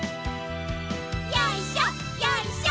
よいしょよいしょ。